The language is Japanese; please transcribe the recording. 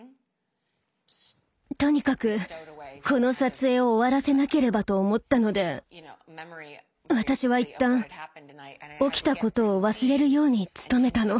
とにかくこの撮影を終わらせなければと思ったので私は一旦起きたことを忘れるように努めたの。